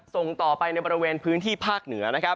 ส่งต่อไปในบริเวณพื้นที่ภาคเหนือนะครับ